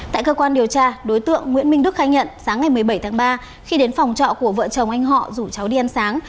tại cơ quan điều tra đối tượng nguyễn minh đức khai nhận sáng ngày một mươi bảy tháng ba khi đến phòng trọ của vợ chồng anh họ rủ cháu đi ăn sáng